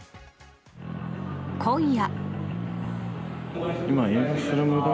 今夜。